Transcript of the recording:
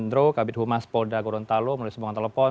jero kabit humas polda gorontalo melalui semuanya telepon